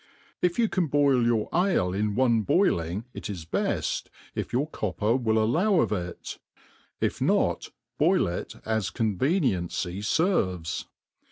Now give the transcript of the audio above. If. you can boil your ale in on^ boiling it 13 beft, if youi: copper will allow of it ; if not, boil it na coiiveniency fei'ves.